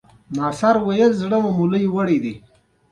له تشبیه پالو ډلو څخه ځان بېل وساتي.